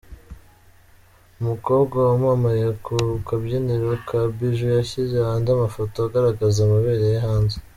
Umukobwa wamamaye ku kabyiniro ka Bijoux yashyize hanze amafoto agaragaza amabere ye hanze.